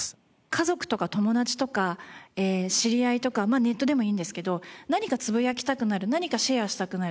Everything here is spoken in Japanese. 家族とか友達とか知り合いとかネットでもいいんですけど何かつぶやきたくなる何かシェアしたくなる